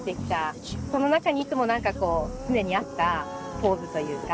その中にいつも何か常にあったポーズというか。